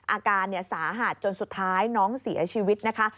อาการสาหัสจนสุดท้ายน้องเสียชีวิตนะคะ